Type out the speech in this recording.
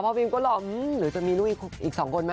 พ่อวิมก็หลอกหรือจะมีลูกอีก๒คนมั้ย